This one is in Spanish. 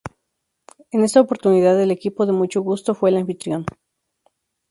En esta oportunidad, el equipo de "Mucho gusto" fue el anfitrión.